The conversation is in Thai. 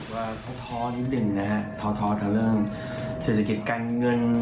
ว่าท้อนิดนึงนะฮะท้อแต่เรื่องเศรษฐกิจการเงิน